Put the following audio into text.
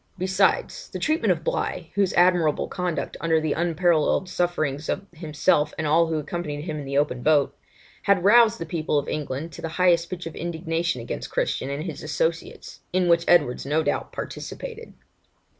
Besides, the treatment of Bligh, whose admirable conduct under the unparalleled sufferings of himself and all who accompanied him in the open boat, had roused the people of England to the highest pitch of indignation against Christian and his associates, in which Edwards no doubt participated.